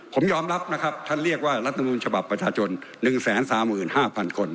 ผมยอมรับท่านเรียกว่ารัฐธรรมดูลฉบับประชาชน๑๓๕๐๐๐คน